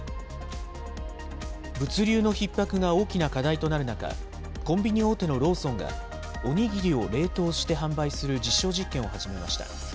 物流のひっ迫が大きな課題となる中、コンビニ大手のローソンが、おにぎりを冷凍して販売する実証実験を始めました。